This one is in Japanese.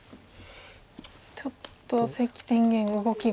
ちょっと関天元動きが。